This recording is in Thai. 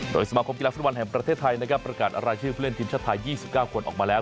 โดยสมาคมกีฬาฟุตบอลแห่งประเทศไทยนะครับประกาศรายชื่อผู้เล่นทีมชาติไทย๒๙คนออกมาแล้ว